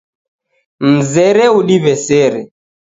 Mzera udiw'esere